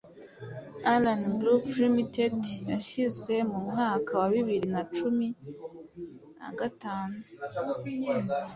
Ahlan Group ltd yashyinzwe mu mwaka wa bibiri nacumi nagatanu